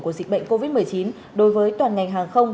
của dịch bệnh covid một mươi chín đối với toàn ngành hàng không